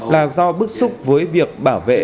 là do bức xúc với việc bảo vệ